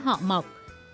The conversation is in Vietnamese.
làm món họ mọc